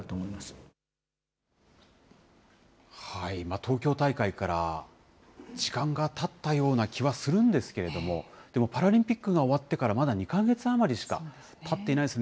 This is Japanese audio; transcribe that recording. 東京大会から時間がたったような気はするんですけれども、でもパラリンピックが終わってから、まだ２か月余りしかたっていないんですね。